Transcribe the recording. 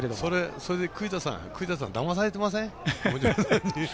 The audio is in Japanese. それで栗田さんだまされてません？